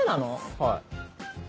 はい！